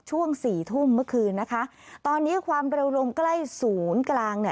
ช่วง๔ทุ่มเมื่อคืนนะคะตอนนี้ความเร็วลงใกล้๐กลาง